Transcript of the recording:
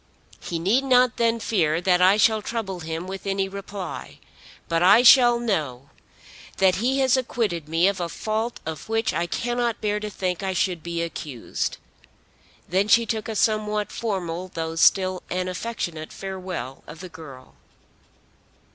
He need not then fear that I shall trouble him with any reply. But I shall know that he has acquitted me of a fault of which I cannot bear to think I should be accused." Then she took a somewhat formal though still an affectionate farewell of the girl.